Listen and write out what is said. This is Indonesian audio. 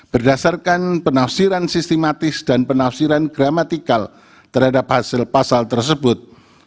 berdasarkan penafsiran sistematis dan penafsiran gramatikal terhadap hasil pasal tersebut